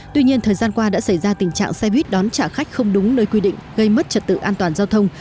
tuy nhiên thời gian qua đã xảy ra tình trạng xe buýt đón trả khách không đúng nơi quy định gây mất trật tự an toàn giao thông